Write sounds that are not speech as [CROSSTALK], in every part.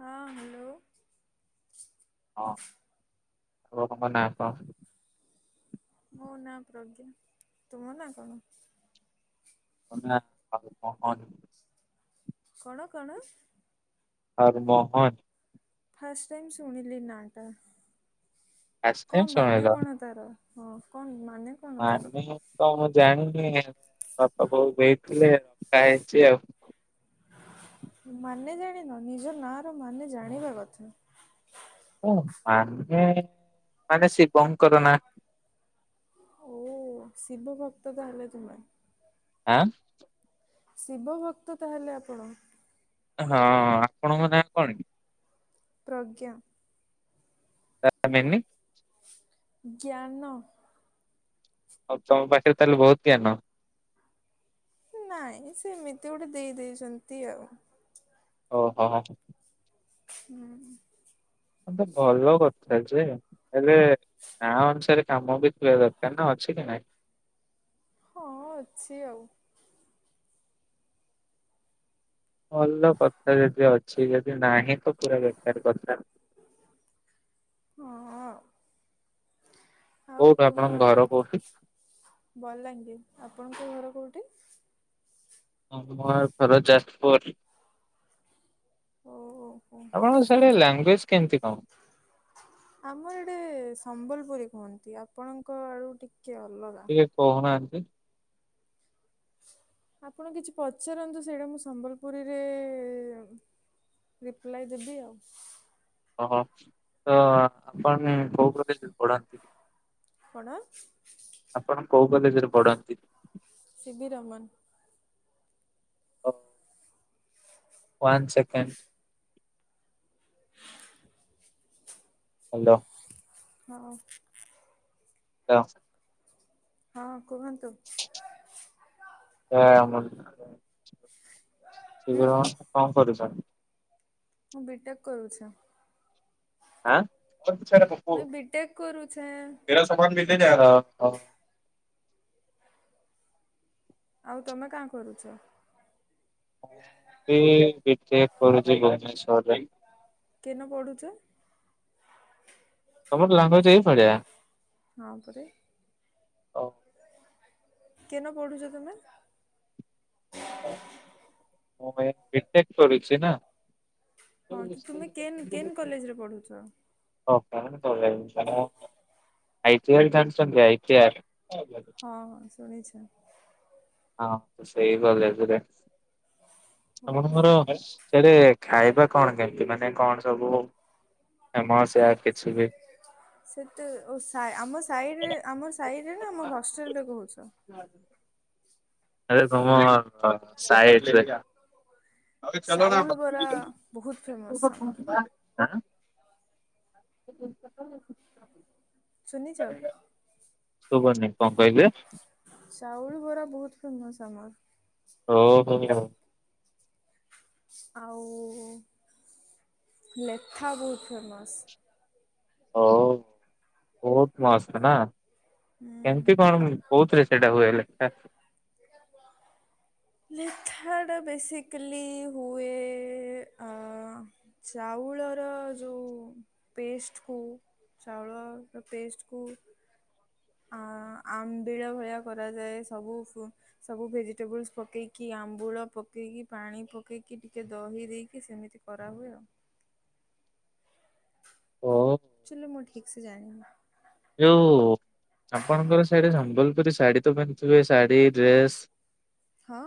ହଁ ହ୍ୟାଲୋ। ହଁ ଆପଣଙ୍କ ନା କଣ? ମୋ ନା ପ୍ରଜ୍ଞା। ତୁମ ନା କଣ? ମୋ ନା ହରମୋହନ। କଣ କଣ? ହରମୋହନ। ଫାଷ୍ଟ ଟାଇମ୍ ଶୁଣିଲି ନାଁ ଟା। ଫାଷ୍ଟ ଟାଇମ କଣ ମାନେ ଶୁଣିଲ କଣ ତାର? ହଁ କଣ ମା ମାନେ ତ ମୁଁ ଜାଣି ନି ବାପା ବୋଉ ଦେଇଥିଲେ ରଖା ହେଇଛି ଆଉ। ମାନେ ଜାଣିନ ନିଜ ନାଁ ର ମାନେ ଜାଣିବା କଥା। ହଁ, ମାନେ ମାନେ ଶିବଙ୍କର ନାଁ। ଓ ଶିିବ ଭକ୍ତ ତାହାଲେ ତୁମେ। ଆଁ। ଶିବ ଭକ୍ତ ତାହେଲେ ଆପଣ। ହଁ ଆପଣଙ୍କ ନାଁ କଣ କି? ପ୍ରଜ୍ଞା। ତା ମିନିଙ୍ଗ। ଜ୍ଞାନ। ଆଉ ତମ ପାଖରେ ତାହେଲେ ବହୁତ ଜ୍ଞାନ। ନାଇଁ ସେମିତି ଗୋଟେ ଦେଇ ଦେଇଛନ୍ତି ଆଉ ଓହୋ। ହୁଁ ହ ତ ଭଲ କଥା ଯେ ହେଲେ ନାଁ ଅନୁସାରେ କାମ ବି କରିବା ଦରକାର ନା ଅଛି କି ନାଇଁ? ହଁ ଅଛି ଆଉ। ଭଲ କଥା ଯଦି ଅଛି ଯଦି ନାହିଁ ତ ପୁରା ବେକାର କଥା। ହଁ। ଆଉ କୋଉଠୁ ତୁମ ଆପଣଙ୍କ ଘର କୋଉଠି? ବଲାଙ୍ଗୀର। ଆପଣଙ୍କ ଘର କୋଉଠି? ହହୁଁ ଆମ ଘର ଯାଜପୁର। ଓହୋ ଆପଣଙ୍କ ସ୍ୟାଡେ ଲାଙ୍ଗୁଏଜ କେମିତି କଣ ଆମର ଏଠି ସମ୍ବଲପୁରୀ କୁହନ୍ତି ଆପଣଙ୍କ ଆଡୁ ଟି ଟିକେ କହୁନାହାନ୍ତି। [INAUDIBLE] ଆପଣ କିଛି ପଚାରନ୍ତୁ ସେଇଟା ମୁଁ ସମ୍ବଲପୁରୀରେ ରିପ୍ଲାଏ ଦେବି ଆଉ। ହଁ ତ ଆପଣ କୋଉ କଲେଜରେ ପଢନ୍ତି? କଣ? ଆପଣ କୋଉ କଲେଜରେ ପଢନ୍ତି? ସିିବି ରମନ୍। One second. [UNINTELLIGIBLE] ହାଲୋ। ହଁ। ହାଲୋ। ହଁ। କୁହନ୍ତୁ। ସେ ହୁଁ କଣ କଣ ବରୁ ସାର୍। ମୁଁ ବିିଟେକ୍ କରୁଛ। ଆଁ। ପଛା ନା ପପୁ ମୁଇଁ ବିଟେକ୍ କରୁଛେ ମେରା ସମାନ ବି ଯେଯା ଆଉ ତମେ କାଁ କରୁଛ? ମୁଁ ବି ବିଟେକ କରୁଛି ଭୁବନେଶ୍ଵରରେ। କେନ ପଢୁଛ? ତମର ଲାଙ୍ଗୁଏଜ୍ ଏଇ ଭଳିଆ? ହଁ ପରେ। ହଉ। କେନ ପଢୁଛ ତମେ। [INAUDIBLE] ମୁଁ ବିଟେକ କରୁଛି ନା। ହଁ ତ ତୁମେ କେ କେନ୍ କଲେଜରେ ପଢୁଛ? ଆ ଇ ଟି ଆର୍ ଜାଣିଛନ୍ତି ଆ ଇ ଟି ଆର୍। ହଁ ହଁ ଶୁଣିଛି। ହଁ ତ ସେଇ କଲେଜରେ। ଓହୋ ଆପଣଙ୍କର ସାଡେ ଖାଇବା କଣ କେମିତି ମାନେ କଣ ସବୁ ଏ ମୋ ସିୟା କିଛି ବି ସେତ ଆମ ସାରେ ଆମ ସାହିରେ ନା ଆମ ହଷ୍ଟେଲରେ କହୁଛ। ଆରେ ତମ ସାଇଟରେ। ଚାଉଳ ବରା ବହୁତ ଫେମସ୍ ଆମର। ଆଁ [UNINTELLIGIBLE] ଶୁନିଛ। ଶୁଭୁନି କଣ କହିଲେ? ଚାଉଳ ବରା ବହୁତ ଫେମସ୍ ଆମର। ଓ ହୋ। ଆଉ ଲେଥା ବହୁତ ଫେମସ୍। ହଉ ବହୁତ ମସ୍ତ ନା? ହୁଁ କେମିତି ଆ କଣ କୋଉଥିରେ ସେଟା ହୁଏ ଲେଖା? ଲେଖାଟା ବେସିକାଲି ହୁଏ ଚାଉଳର ଯୋଉ ପେଷ୍ଟକୁ ଚାଉଳର ପେଷ୍ଟକୁ ଆ ଆମ୍ବିଳା ଭଳିଆ କରାଯାଏ ସବୁ ସବୁ ଭେଜିଟେବୁଲ୍ସ ପକେଇକି ଆମ୍ବୁଳ ପକେଇକି ପାଣି ପକେଇକି ଟିକେ ଦହି ଦେଇକି ସେମିତି କରାହୁଏ ଆଉ। ଓ [UNINTELLIGIBLE] ମୁଁ ଠିକ ସେ ଜାଣିନି। ଯୋଉ ଆପଣଙ୍କର ଶାଢୀ ସମ୍ବଲପୁରୀ ଶାଢୀ ତ ପିନ୍ଧିଥିବେ ଶାଢୀ ଡ୍ରେସ। ହଁ।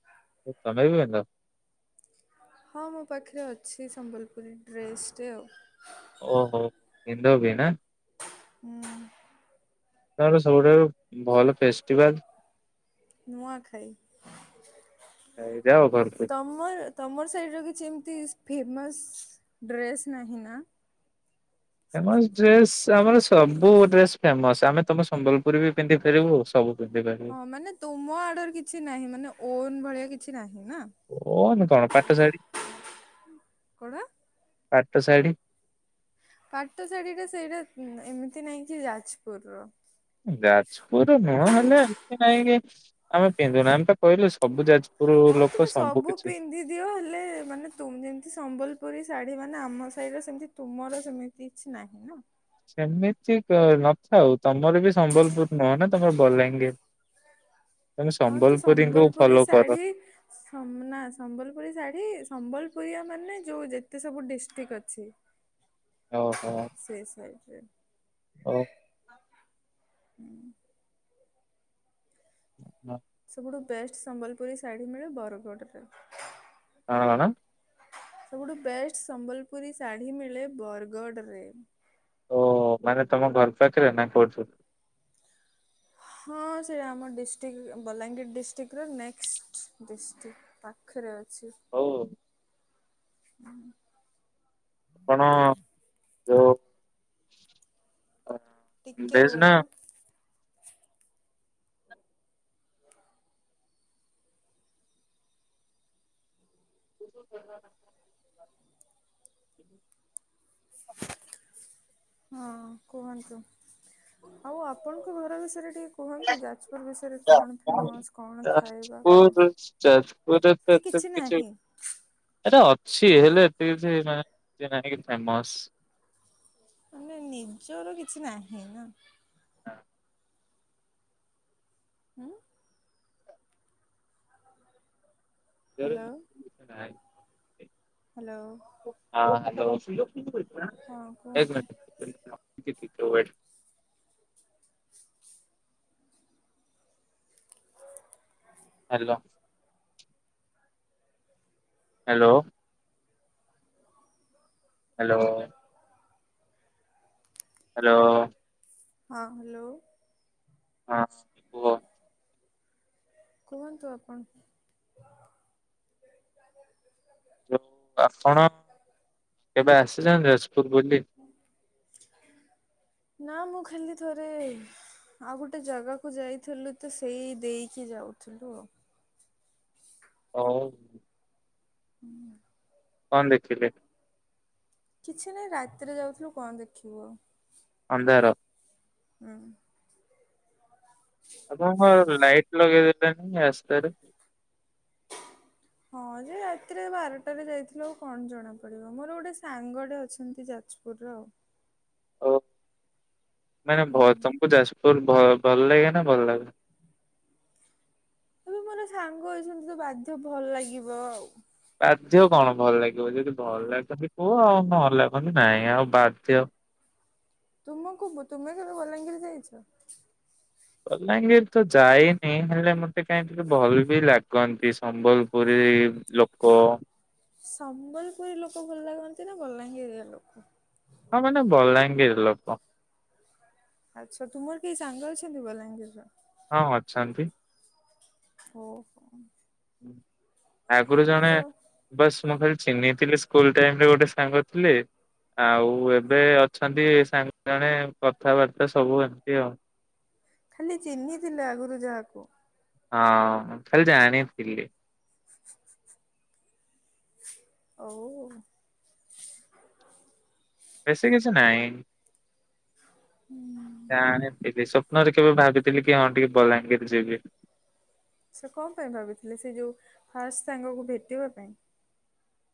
[UNINTELLIGIBLE] ହଁ ମୋ ପାଖରେ ଅଛି ସମ୍ବଲପୁରୀ ଡ୍ରେସ୍ ଟେ ଆଉ। ଓହୋ ପିନ୍ଧ ବି ନା। ହୁଁ। ତାପରେ ସବୁଠାରୁ ଭଲ ଫେଷ୍ଟିଭାଲ। ନୂଆଖାଇ ଯାଅ ଘରକୁ ତମର ତମର ସେଇଟାର କିଛି ଏମତି ଫେମସ୍ ଡ୍ରେସ୍ ନାହିଁ ନା। ଫେମସ ଡ୍ରେସ ଆମର ସବୁ ଡ୍ରେସ ଫେମସ ଆମେ ତମେ ସମ୍ବଲପୁର ପୁରୀ ବି ପିନ୍ଧି ପାରିବୁ ସବୁ ପିନ୍ଧି ପାରିବୁ। ହଁ ମାନେ ତୁମ ଆଡ଼ର କିଛି ନାହିଁ ମାନେ ଓନ୍ ଭଳିଆ କିଛି ନାହିଁ। ନା ଓନ କଣ ପାଟଶାଢ଼ୀ କଣ? ପାଟଶାଢ଼ୀ। ପାଠଶାଢୀ ଟା ସେଇଟା ଏମିତି ନାହିଁ କି ଯାଜପୁରର। ଯାଜପୁର ନୁହଁ ହେଲେ ଏମିତି ନାଇଁ କି ଆମେ ପିନ୍ଧୁନା ଆମେ ତ କହିଲୁ ସବୁ ଯାଜ ହଁ ତୁମେ ସବୁ ପିନ୍ଧି ଦିଅ ହେଲେ ମାନେ ତ ଯେମିତି ସମ୍ବଲ ପୁରୀ ଶାଢୀ ମାନେ ଆମ ସାହିର ସେମତି ତୁମର ସେମିତି କିଛି ନାହିଁ ନା। ଏମିତି ନଥାଉ ତମର ବି ସମ୍ବଲପୁର ନୁହଁ ନା ତମର ବଲାଙ୍ଗୀର। ତମେ ହଁ ତ ସମ୍ବଲପୁରୀଙ୍କୁ ସମ୍ବଲପୁରୀ ଫଲୋ କର ଶାଢୀ ନା ସମ୍ବଲପୁରୀ ଶାଢୀ ସମ୍ବଲପୁର ପୁରିଆ ମାନେ ଯୋଉ ଯେତେ ସବୁ ଡିଷ୍ଟ୍ରିକ୍ଟ ଅଛି ଓହୋ ସେଇ ସାଇଡରେ ଓ ହୁଁ। [UNINTELLIGIBLE] ସବୁଠୁ ବେଷ୍ଟ ସମ୍ବଲପୁରୀ ଶାଢ଼ୀ ମିଳେ ବରଗଡ଼ରେ। କଣ କଣ? ସବୁଠୁ ବେଷ୍ଟ ସମ୍ବଲପୁରୀ ଶାଢ଼ୀ ମିଳେ ବରଗଡରେ। ଓ ମାନେ ତମ ଘର ପାଖରେ ନା କୋଉଠି? ହଁ ସେଇଟା ଆମ ଡିଷ୍ଟ୍ରିକ୍ଟ ବଲାଙ୍ଗୀର ଡିଷ୍ଟ୍ରିକ୍ଟର ନେକ୍ସଟ ଡିଷ୍ଟ୍ରିକ୍ଟ ପାଖରେ ଅଛି। ହଉ। ହୁଁ। ଆପଣ ଯୋଉ ଟିକେ ଭେଜ୍ ନା ରୁହନ୍ତୁ। [INAUDIBLE] [UNINTELLIGIBLE] ହଁ କୁହନ୍ତୁ ଆଉ ଆପଣଙ୍କ ଘର ବିଷୟରେ ଟିକେ କୁହନ୍ତୁ ଯାଜପୁର ବିଷୟରେ କଣ ଫେମସ୍ କଣ ଖାଇବା ଯାଜପୁର କଣ ଯାଜପୁରରେ ତ କି କିଛି ନାହିଁ। ସିଏ ହେଲେ ଏ ଫେମ ମାନ ନିଜର କିଛି ନାହିଁ ନା। ହୁଁ। ଜର ହ୍ୟାଲୋ ହ୍ୟାଲୋ ହଁ ହଲୋ। ସ ହଁ କୁହନ୍ତୁ। କବିଡ଼ ହ୍ୟାଲୋ। ହ୍ୟାଲୋ। ହ୍ୟାଲୋ। ହ୍ୟାଲୋ। ହଁ ହ୍ୟାଲୋ। ହଁ କୁହ। କୁହନ୍ତୁ ଆପଣ। ଯଉ ଆପଣ କେବେ ଆସ ଅଶୁଚନ୍ତି ଯାଜ୍ ପୁର ବୁଲି। ନା ମୁଁ ଖାଲି ଥରେ ଆଉ ଗୋଟେ ଜାଗାକୁ ଯାଇଥିଲୁ ତ ସେଇ ଦେଇକି ଯାଉଥିଲୁ ଆଉ। ହଉ। ହୁଁ। କଣ ଦେଖିଲେ? କିଛି ନାହିଁ ରାତିରେ ଯାଉଥିଲୁ କଣ ଦେଖିବୁ ଆଉ। ଅନ୍ଧାର। ହୁଁ। ଆପଣ କଣ ଲାଇଟ୍ ଲଗେଇ ଦେଲେନି ରାସ୍ତାରେ। ହଁ ଯେ ରାତିରେ ବାରଟାରେ ଯାଇଥିଲ ଆଉ କଣ ଜଣା ପଡିବ ମୋର ଗୋଟେ ସାଙ୍ଗଟେ ଅଛନ୍ତି ଯାଜପୁରର ଆଉ। ଓଉ ମାନେ ବହୁତ ହୁଁ। ସମବୁଝ ଆସ ତୋର ଭଲ ଲାଗେ ନା ଭଲ ଲାଗେ ଏବେ ମୋର ସାଙ୍ଗ ଅଛନ୍ତି ତ ବାଧ୍ୟ ଭଲ ଲାଗିବ ଆଉ। ବାଧ୍ୟ କଣ ଭଲ ଲାଗିବ ଯଦି ଭଲ ଲାଗନ୍ତି କୁହ ଆଉ ଭଲ ଲାଗନ୍ତି ନାଇଁ ଆଉ ବାଧ୍ୟ। ତୁମ କବୁ ତୁମେ କେବେ ବଲାଙ୍ଗୀର ଯାଇଛ। ବଲାଙ୍ଗୀର ତ ଯାଇନି ହେଲେ ମତେ କାହିଁକ ଭଲ ବି ଲାଗନ୍ତି ସମ୍ବଲପୁରୀ ଲୋକ ସମ୍ବଲପୁରୀ ଲୋକ ଭଲ ଲାଗନ୍ତି ନା ବଲାଙ୍ଗୀରଆ ଲୋକ। ହଁ ମାନେ ବଲାଙ୍ଗୀର ଲୋକ। ଆଚ୍ଛା ତୁମର କେହି ସାଙ୍ଗଲ ଅଛନ୍ତିି ବଲାଙ୍ଗୀର ର। ହଁ ଅଛନ୍ତି। ଓହୋ। [UNINTELLIGIBLE] ଆଗରୁ ଜଣେ ତ ବସ୍ ମୁଁ ଖାଲି ଚିହ୍ନିଥିଲି ସ୍କୁଲ ଟାଇମରେ ଗୋଟେ ସାଙ୍ଗ ଥିଲେଆଉ ଏବେ ଅଛନ୍ତି ସାଙ୍ଗ ଜଣେ କଥାବାର୍ତ୍ତା ସବୁ ଏମିତି ଆଉ। ଖାଲି ଚିହ୍ନିଥିଲେ ଆଗରୁ ଯାହାକୁ ହଁ ଖାଲି ଜାଣିଥିଲି। ଓ। ବେଶୀ କିଛି ନାଇଁ। ତାଆଣେ ଏବେ ସବ୍ ନହେଲେ କେବେ ଭାବିଥିଲି କି ହଁ ଟିକେ ବଲାଙ୍ଗିର ଯିବି। ସେ କଣ ପାଇଁ ଭାବିଥିଲେ ସେ ଯୋଉ ଫାର୍ଷ୍ଟ ସାଙ୍ଗକୁ ଭେଟିବା ପାଇଁ?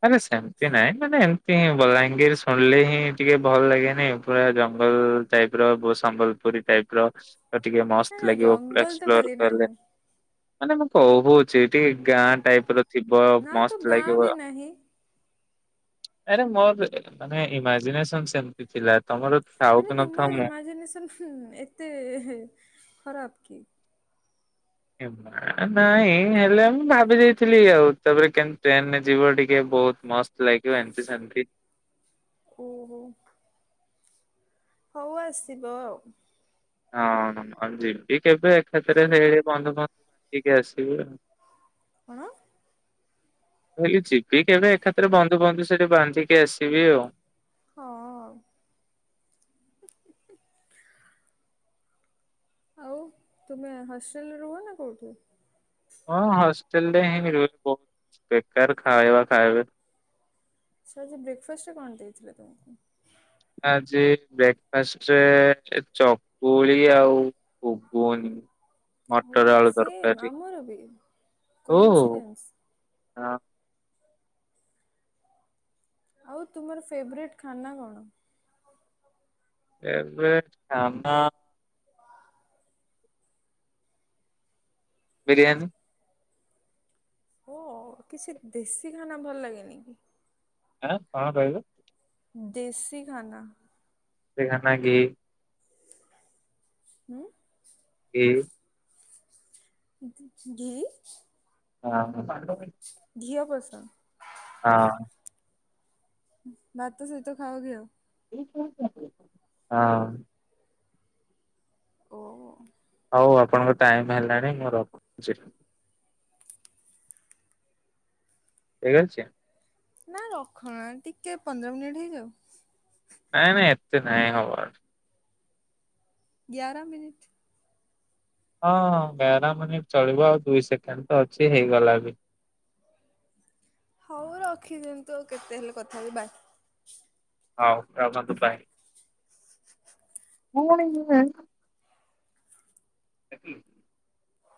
ଆରେ ସେମିତି ନାଇଁ ମାନେ ଏମତି ହଁ ବଲାଙ୍ଗୀର ଶୁଣିଲେ ହିଁ ଟିକେ ଭଲ ଲାଗେନି ପୁରା ଜଙ୍ଗଲ ଟାଇପ୍ ର ସମ୍ବଲପୁରୀ ଟାଇପ୍ ର। ଆ ଟିକେ ନା ମସ୍ତ ନା ଲାଗିବ ଜଙ୍ଗଲ ତ ଏକ୍ସପ୍ଲୋର ଖାଲି କଲେ। ନାହିଁ। ମାନେ ମୁଁ କହୁଛି ଟିକେ ଗାଁ ଟାଇପର। ଥିବ ନା ତ ମସ୍ତ ଗାଁ ଲାଗିବ। ବି ନାହିଁ ଆରେ ମୋର ମାନେ ଇମାଜିିନେସନ ସେମତି ଥିଲା। ତମର ଥାଉ କି ମାନେ ନଥାଉ ତୁମର ମୁଁ ଇମାଜିନେସନ ଏତେ ଖରାପ କି? ନାଇଁ ହେଲେ ମୁଁ ଭାବି ଦେଇଥିଲି ଆଉ ତାପରେ କେମତି ଟ୍ରେନରେ ଯିବି ଟିକେ ବହୁତ ମସ୍ତ ଲାଗିବ ଏମତି ସେମତି। ଓହୋ। ହଉ ଆସିବ ଆଉ ହଁ ହଁ ଯିିବି କେବେ ଏକାଥରେ ସେ ବନ୍ଧୁ ଫନ୍ଧୁ ହେଇକି ଆସିବୁ ଆଉ କଣ? ହେଲେ ଯିବି କେବେ ଏକାଥରେ ବନ୍ଧୁ ବନ୍ଧୁ ସେଠି ବାନ୍ଧିକି ଆସିବି ଆଉ। ହଁ। ଆଉ ତୁମେ ହଷ୍ଟେଲରେ ରୁହ ନା କୋଉଠି? ହଁ ହଷ୍ଟେଲରେ ହିଁ ରୁହେ ବହୁତ ବେକାର ଖାଇବା ଖାଇବେ। ସାର୍ ଆଜି ବ୍ରେକଫାଷ୍ଟରେ କଣ ଦେଇଥିଲେ ତୁମକୁ? ଆଜି ବ୍ରେକଫାଷ୍ଟରେ ଚକୁଳି ଆଉ ଘୁଗୁନି। ମୁଁ ମଟର ଆଳୁ ସେମ୍ ତରକାରୀ ଆମର ବି କୋଇନ୍ସଡେନ୍ସ। ହଁ। ଆଉ ତୁମର ଫେଭରେଟ ଖାନା କଣ? ଏବେ ଖାନା ବିରିୟାନୀ। ଓ କିଛି ଦେଶୀ ଖାନା ଭଲ ଲାଗେନି କି? ଆଁ କଣ କହିଲେ। ଦେଶୀ ଖାନା। ଦେଶୀ ଖାନା କି? ହୁଁ। କିଏ? ଘି? ହଁ ହୋ। [UNINTELLIGIBLE] ଘିଅ ପସନ୍ଦ। ହଁ। ଭାତ ସହିତ ଖାଅ ଘିଅ। ହଁ। ଓ ହଉ ଆପଣଙ୍କ ଟାଇମ ହେଲାଣି ମୁଁ ରଖୁଛି। ଠିକି ଅଛି। ନା ରଖଣା ଟିକେ ପନ୍ଦର ମିନିଟ ହେଇଯାଉ। ନାଇଁ ନାଇଁ ଏତେ ନାଇଁ ହଵାର। ଗାର ମିନିଟ୍ ହଁ ହଁ ଗାର ମିନିଟ ଚଳିବ ଆଉ ଦୁଇ ସେକେଣ୍ଡ ତ ଅଛି ହେଇଗଲା ବି। ହଉ ରଖିଦିଅନ୍ତୁ ଆଉ କେତେ ହେଲେ କଥା ହେବି ବାଏ। ହଉ ରଖନ୍ତୁ ବାଏ। [INAUDIBLE]